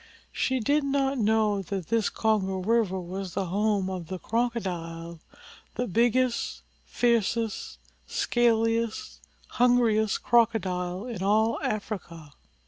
She did not know that this Congo River was the home of the Crocodile, the biggest, fiercest, scaliest, hungriest Crocodile in all Africa.